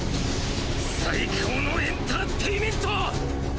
最高のエンターテイメント！